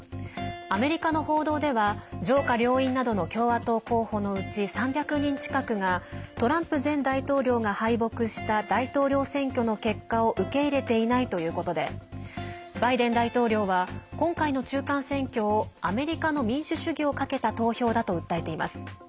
アメリカの報道では上下両院などの共和党候補のうち３００人近くがトランプ前大統領が敗北した大統領選挙の結果を受け入れていないということでバイデン大統領は今回の中間選挙をアメリカの民主主義をかけた投票だと訴えています。